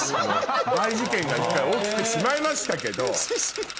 大事件が１回起きてしまいましたけど。